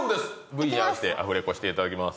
Ｖに合わせてアフレコしていただきます。